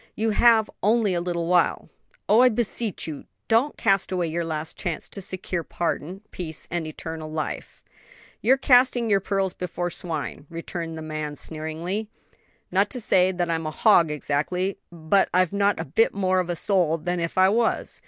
You have only a little while! Oh, I beseech you, don't cast away your last chance to secure pardon, peace and eternal life!" "You're 'casting your pearls before swine,'" returned the man, sneeringly. "Not to say that I'm a hog exactly, but I've not a bit more of a soul than if I was.